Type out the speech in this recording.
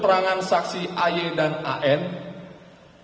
tersangka ims memasuki kamar saksi aye dalam keadaan magazin ke dalam tas